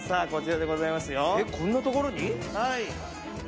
こんなところに？